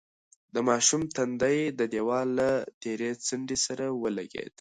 د ماشوم تندی د دېوال له تېرې څنډې سره ولگېد.